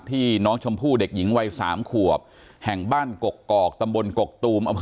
ที่น้องชมพู่เด็กหญิงวัย๓ขวบแห่งบ้านกกอกตำบลกกตูม